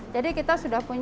jadi kita sudah pilih